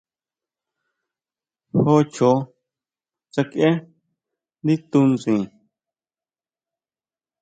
Jó chjoó sakieʼe ndí tunsin.